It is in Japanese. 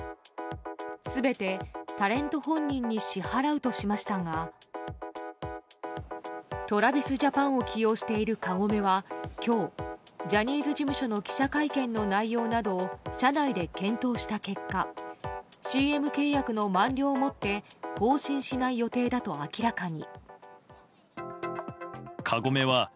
全てタレント本人に支払うとしましたがＴｒａｖｉｓＪａｐａｎを起用しているカゴメは今日ジャニーズ事務所の記者会見の内容などを社内で検討した結果ＣＭ契約の満了をもって更新しない予定だと明らかに。